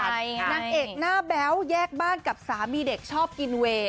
นางเอกหน้าแบ๊วแยกบ้านกับสามีเด็กชอบกินเวย์